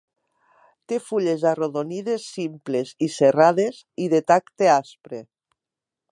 Té fulles arrodonides simples i serrades i de tacte aspre.